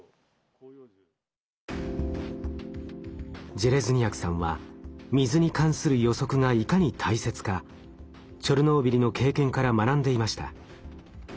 ジェレズニヤクさんは水に関する予測がいかに大切かチョルノービリの経験から学んでいました。